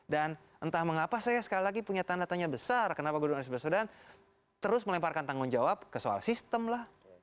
dan entah mengapa saya sekali lagi punya tanda tanya besar kenapa gubernur aris besudahan terus melemparkan tanggung jawab ke soal sistem lah